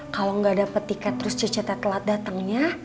kalau nggak dapat tiket terus cece telat datangnya